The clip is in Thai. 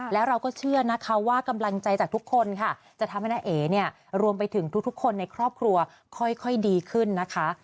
แล้วเราก็เชื่อนะคะว่ากำลังใจจากทุกคนค่ะจะทำให้น้าเอ๋เนี่ยรวมไปถึงทุกคนในครอบครัวค่อยดีขึ้นนะคะ